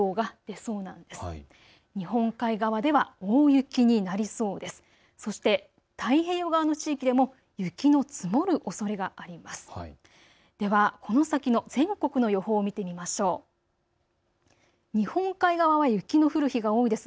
そして太平洋側の地域でも雪の積もるおそれがあります。